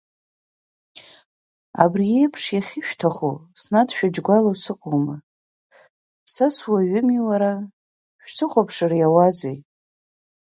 Абри еиԥш иахьышәҭаху снадыжәџьгәало сыҟоума, са суаҩыми, уара, шәсыхәаԥшыр иауазеи…